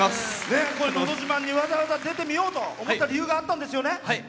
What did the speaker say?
「のど自慢」にわざわざ出てみようと思った理由があったんですよね。